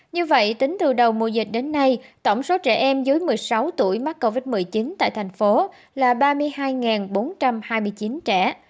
như vậy tính từ đầu mùa dịch đến nay tổng số trẻ em dưới một mươi sáu tuổi mắc covid một mươi chín tại thành phố là ba mươi hai bốn trăm hai mươi chín trẻ